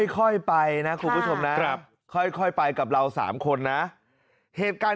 ค่อยไปนะคุณผู้ชมนะค่อยไปกับเรา๓คนนะเหตุการณ์